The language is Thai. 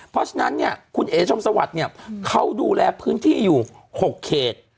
เพราะฉะนั้นเนี่ยคุณเอ๋ชมสวัสดิ์เนี่ยเขาดูแลพื้นที่อยู่๖เขต